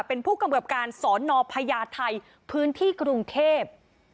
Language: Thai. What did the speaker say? เป็นผู้กำกับการสอนอพญาไทยพื้นที่กรุงเทพ